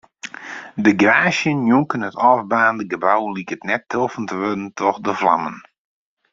De garaazje njonken it ôfbaarnde gebou liket net troffen te wurden troch de flammen.